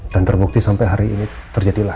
dan terbukti sampai hari ini terjadi lagi